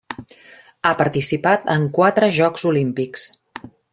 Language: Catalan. Ha participat en quatre Jocs Olímpics.